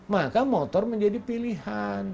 maka motor menjadi pilihan